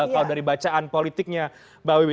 kalau dari bacaan politiknya mbak wiwi